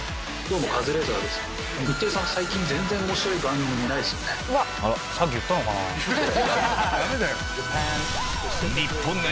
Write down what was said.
日テレさん、最近、全然おもしろい番組ないですよね。